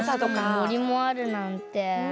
もりもあるなんて。